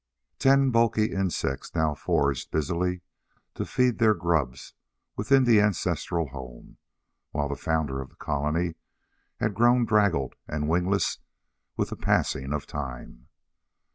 Ten bulky insects now foraged busily to feed their grubs within the ancestral home, while the founder of the colony had grown draggled and wingless with the passing of time.